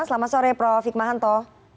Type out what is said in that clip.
selamat sore prof hikmahanto